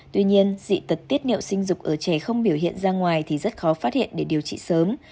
tuy nhiên dị tật tiết niệu sinh dục ở trẻ không biểu hiện ra ngoài thì rất khó phát hiện để điều trị sớm